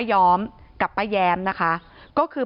ที่มีข่าวเรื่องน้องหายตัว